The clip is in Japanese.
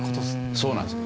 そうなんですよ。